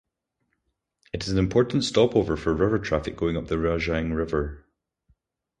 It is an important stopover for river traffic going up the Rajang River.